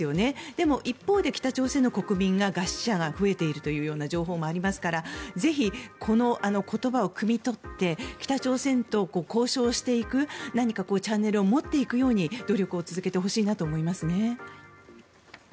でも、一方で北朝鮮の国民に餓死者が増えているという情報もありますからぜひこの言葉をくみ取って北朝鮮と交渉していく何かチャンネルを持っていくように努力を続けてほしいなと思いますね。